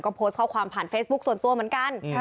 ก็โพสต์ข้อความผ่านเฟซบุ๊คส่วนตัวเหมือนกัน